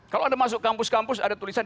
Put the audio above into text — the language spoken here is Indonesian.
kalau anda masuk kampus kampus ada tulisan